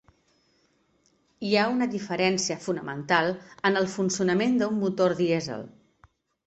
Hi ha una diferència fonamental en el funcionament d'un motor dièsel.